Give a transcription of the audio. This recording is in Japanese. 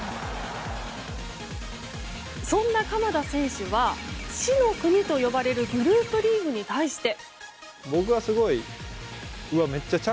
そんな鎌田選手は死の組と呼ばれるグループリーグに対して。